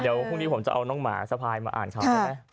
เดี๋ยวพรุ่งนี้ผมจะเอาน้องหมาสะพายมาอ่านครับ